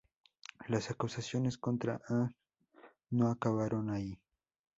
Las acusaciones contra Hajj no acabaron ahí.